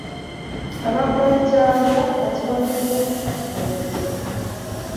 Abakwetaaga kati bagenda kukufuna batya?